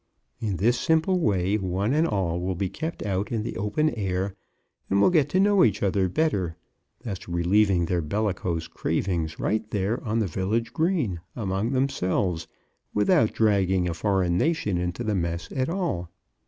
In this simple way, one and all will be kept out in the open air and will get to know each other better, thus relieving their bellicose cravings right there on the village green among themselves, without dragging a foreign nation into the mess at all.